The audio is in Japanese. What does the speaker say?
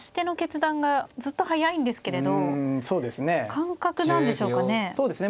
感覚なんでしょうかね。